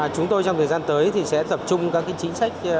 chúng tôi trong thời gian tới thì sẽ tập trung các chính sách